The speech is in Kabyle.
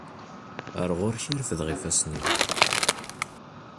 Ar ɣur-k i refdeɣ ifassen-iw.